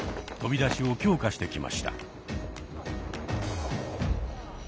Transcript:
飛び出しを強化してきました。